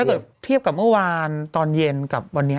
ถ้าเกิดเทียบกับเมื่อวานตอนเย็นกับวันนี้